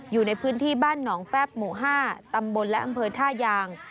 อยู่ในพื้นที่บ้านหนองแฟบหมู่๕ตำบลและอำเภอท่ายาง